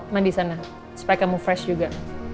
mandi sana supaya kamu fresh juga